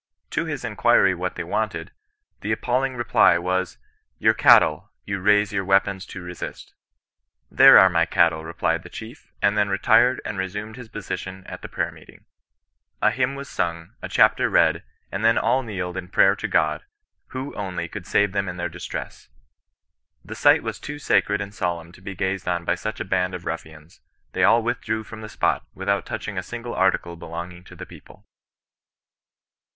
To his inquiry what they wanted, the appalling reply was, ' Your cattle, and it is at your peril you raise your weapons to resist.' * There are my cat tle,' replied the chief, and then retired and resumed his position at the prayer meeting. A hymn was sung, a chapter read, and then all kneeled in prayer to God, who only could save them in their distress. " The sight was too sacred and solemn to be gazed on by such a band of ruffians ; they all withdrew from the spot, without touching a single article belonging to the people."